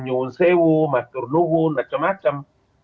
nyuhun sewu maturnuhun macam macam